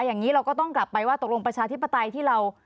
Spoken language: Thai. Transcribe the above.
อย่างนี้เราก็ต้องกลับไปว่าตกลงประชาธิปไตยที่เรา